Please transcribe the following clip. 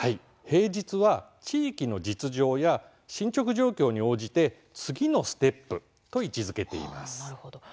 平日は地域の実情や進捗状況に応じて次のステップと位置づけています。